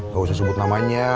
gak usah sebut namanya